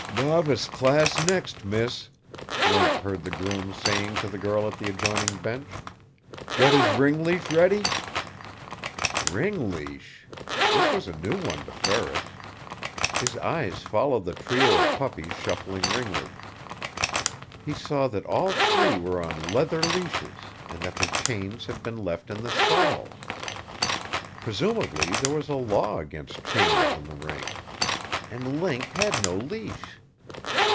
"Novice Class next, Miss," Link heard the groom saying to the girl at the adjoining bench. "Got his ring leash ready?" "Ring leash!" This was a new one to Ferris. His eyes followed the trio of puppies shuffling ringward. He saw that all three were on leather leashes and that their chains had been left in the stalls. Presumably there was a law against chains in the ring. And Link had no leash.